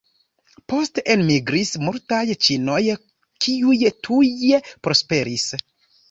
Poste enmigris multaj ĉinoj kiuj tuje prosperis.